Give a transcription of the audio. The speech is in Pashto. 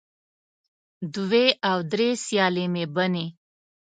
دوې او درې سیالې مې بنې